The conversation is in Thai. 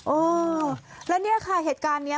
เออแล้วเนี่ยค่ะเหตุการณ์นี้